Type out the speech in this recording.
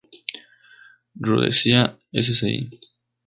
Rhodesia Sci.